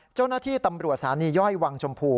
เจ้าหน้าที่ตำรวจสถานีย่อยวังชมพู